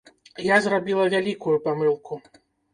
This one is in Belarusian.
Я зрабіла вялікую памылку.